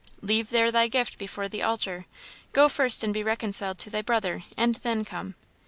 'Leave there thy gift before the altar; go first and be reconciled to thy brother, and then come.'